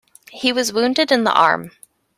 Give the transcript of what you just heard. He was wounded in the arm.